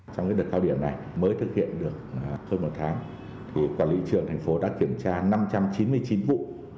trong đợt cao điểm này mới thực hiện được hơn một tháng thì quản lý thị trường tp hcm đã kiểm tra năm trăm chín mươi chín vụ